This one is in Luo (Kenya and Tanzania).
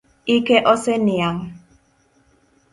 Ike oseniang'.